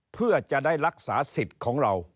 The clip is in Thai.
เพื่อจะได้รักษาสิทธิ์ของเรา